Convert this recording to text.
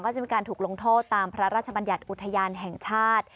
ก็จะมีการถูกลงโทษตามพระราชบัญญัติอุทยานแห่งชาติ